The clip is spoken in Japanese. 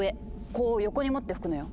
こう横に持って吹くのよ。